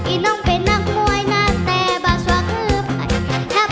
อีน้องเป็นนักมวยนะแต่บ่สวะเข้าไป